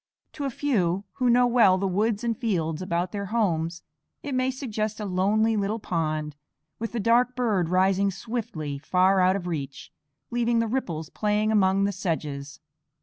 To a few, who know well the woods and fields about their homes, it may suggest a lonely little pond, with a dark bird rising swiftly, far out of reach, leaving the ripples playing among the sedges.